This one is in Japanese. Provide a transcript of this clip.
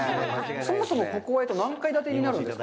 そもそも、ここは何階建てになるんですか？